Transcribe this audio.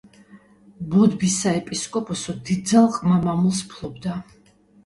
ბოდბის საეპისკოპოსო დიდძალ ყმა-მამულს ფლობდა.